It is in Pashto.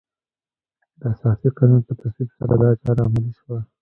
د اساسي قانون په تصویب سره دا چاره عملي شوه.